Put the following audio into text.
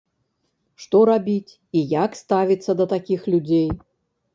Што рабіць і як ставіцца да такіх людзей?